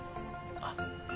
あっ。